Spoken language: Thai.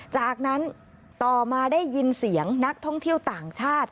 จากนั้นต่อมาได้ยินเสียงนักท่องเที่ยวต่างชาติ